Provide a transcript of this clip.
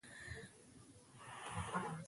ده راته وویل چې موږ په ازادۍ کې اغېزمن قوت یو.